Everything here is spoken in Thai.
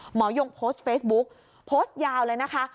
ยงโพสต์เฟซบุ๊กโพสต์ยาวเลยนะคะ